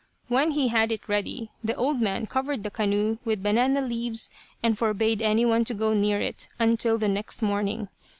When he had it ready the old man covered the canoe with banana leaves and forbade any one to go near it until the next morning.